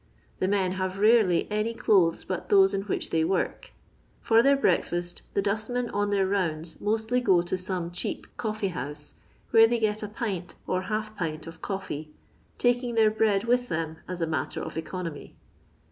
Tha men have rarely any clothes but those in which they work. Far their bceakfoat the dustmen on their nsmds mostly ^ to aome cheap coffee hoBse, where they get a pmt or half pint of coffee, taking their bread with them aa a matter of eco nomy.